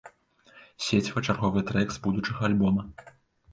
Сеціва чарговы трэк з будучага альбома.